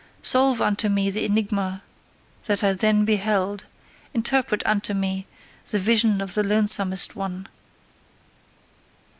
Solve unto me the enigma that I then beheld, interpret unto me the vision of the lonesomest one!